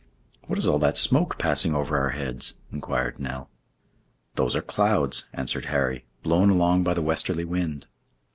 "What is all that smoke passing over our heads?" inquired Nell. "Those are clouds," answered Harry, "blown along by the westerly wind."